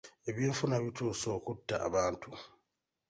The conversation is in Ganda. Ebyenfuna bituuse okutta abantu.